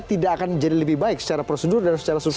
tidak akan jadi lebih baik secara prosedur dan secara substan